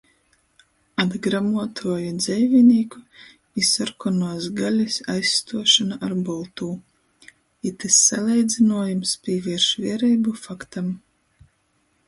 Atgramuotuoju dzeivinīku i sorkonuos galis aizstuošona ar boltū. Itys saleidzynuojums pīvierš viereibu faktam.